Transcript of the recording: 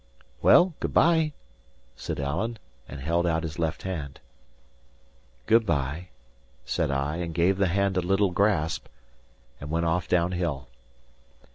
"Well, good bye," said Alan, and held out his left hand. "Good bye," said I, and gave the hand a little grasp, and went off down hill.